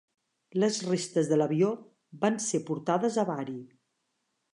Les restes de l'avió van ser portades a Bari.